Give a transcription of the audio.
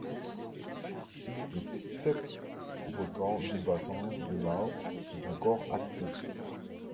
Six des sept volcans du bassin de Lau sont encore actifs.